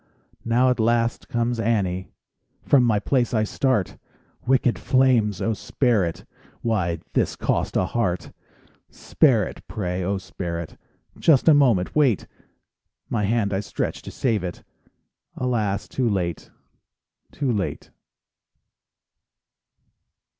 ... Now at last comes Annie— From my place I start: Wicked flames, oh, spare it— Why, this cost a heart! Spare it, pray, oh, spare it, Just a moment wait! My hand I stretch to save it— Alas, too late, too late!